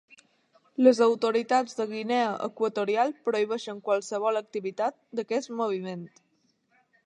Les autoritats de Guinea Equatorial prohibeixen qualsevol activitat d'aquest moviment.